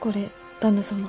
旦那様。